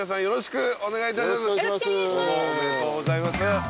よろしくお願いします。